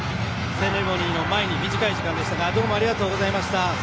セレモニーの前に短い時間でしたがありがとうございました。